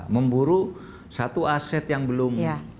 memburu satu aset yang belum